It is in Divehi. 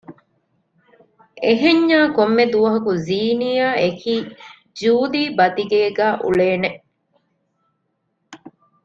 އެހެންޏާ ކޮންމެދުވަހަކު ޒީނިޔާ އެކީ ޖޫލީ ބަދިގޭގައި އުޅޭނެ